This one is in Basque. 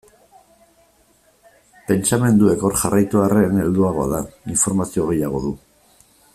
Pentsamenduek hor jarraitu arren, helduagoa da, informazio gehiago du.